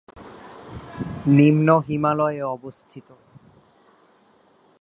নিম্ন হিমালয়-এ অবস্থিত।